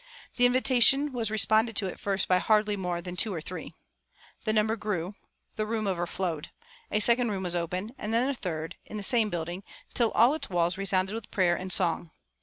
The invitation was responded to at first by hardly more than "two or three." The number grew. The room overflowed. A second room was opened, and then a third, in the same building, till all its walls resounded with prayer and song.